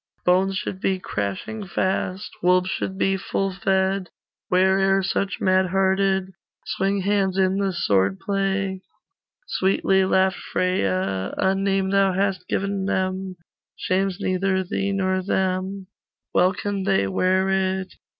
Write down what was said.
Bones should be crashing fast, Wolves should be full fed, Where'er such, mad hearted, Swing hands in the sword play.' Sweetly laughed Freya 'A name thou hast given them Shames neither thee nor them, Well can they wear it.